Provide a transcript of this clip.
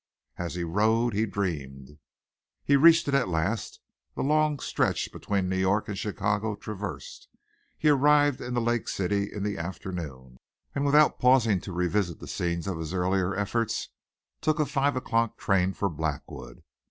As he rode he dreamed. He reached it at last, the long stretch between New York and Chicago traversed; he arrived in the Lake city in the afternoon, and without pausing to revisit the scenes of his earlier efforts took a five o'clock train for Blackwood.